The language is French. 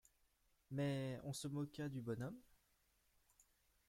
Mais on se moqua du bonhomme.